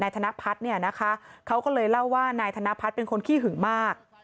นายธนพัฒน์เขาก็เลยเล่าว่านายธนพัฒน์เป็นคนขี้หึงมาก